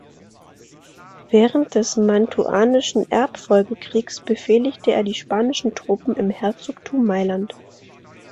Während des Mantuanischen Erbfolgekriegs befehligte er die spanischen Truppen im Herzogtum Mailand.